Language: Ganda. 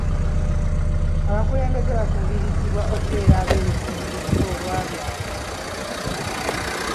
Abakulembeze bakubirizibwa okubeera abeerufu mu bikolwa byabwe.